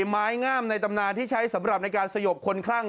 ไม้งามในตำนานที่ใช้สำหรับในการสยบคนคลั่ง